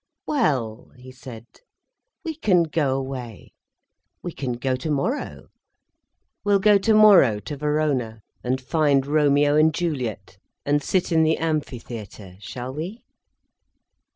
"Well," he said, "we can go away—we can go tomorrow. We'll go tomorrow to Verona, and find Romeo and Juliet, and sit in the amphitheatre—shall we?"